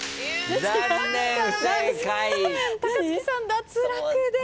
脱落です。